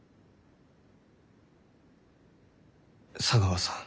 茶川さん。